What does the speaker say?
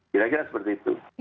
kira kira seperti itu